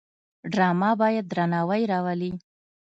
ډرامه باید درناوی راولي